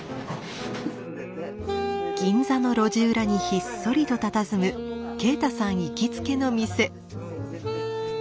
銀座の路地裏にひっそりとたたずむ啓太さん行きつけの店。